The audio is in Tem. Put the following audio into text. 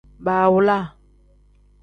Baawolaa.